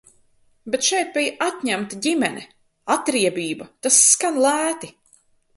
Bet šeit bija atņemta ģimene. Atriebība, tas skan lēti.